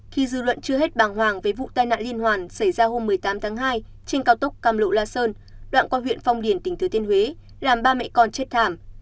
khi dư luận chưa hết bàng hoàng về vụ tai nạn liên hoàn xảy ra hôm một mươi tám tháng hai trên cao tốc cam lộ la sơn đoạn qua huyện phong điền tỉnh thứ thiên huế làm ba mẹ con chết thảm